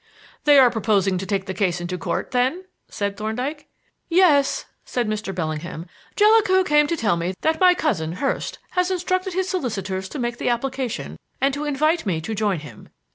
"They are proposing to take the case into Court, then?" said Thorndyke. "Yes," said Mr. Bellingham. "Jellicoe came to tell me that my cousin, Hurst, has instructed his solicitors to make the application and to invite me to join him.